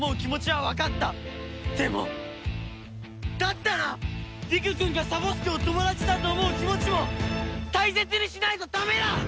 でもだったら理玖くんがサボ助を友達だと思う気持ちも大切にしないとダメだ！